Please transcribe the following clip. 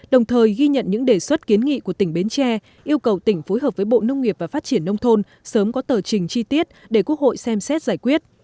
đồng thời ghi nhận những đề xuất kiến nghị của tỉnh bến tre yêu cầu tỉnh phối hợp với bộ nông nghiệp và phát triển nông thôn sớm có tờ trình chi tiết để quốc hội xem xét giải quyết